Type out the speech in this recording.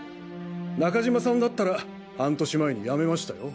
中島さんだったら半年前に辞めましたよ。